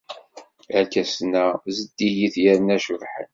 Arkasen-a zeddigit yerna cebḥen.